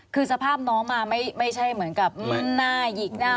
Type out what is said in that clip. คือสภาพน้องมาไม่ไม่ใช่เหมือนกับหน้าหอน